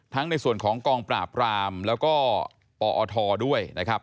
ในส่วนของกองปราบรามแล้วก็ปอทด้วยนะครับ